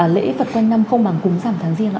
lễ phật quanh năm không bằng cúng giảm tháng riêng